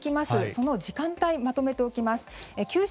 その時間帯、まとめておきます。